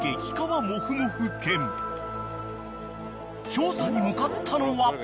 ［調査に向かったのは］